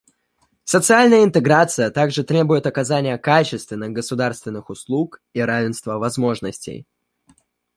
Социальная интеграция также требует оказания качественных государственных услуг и равенства возможностей.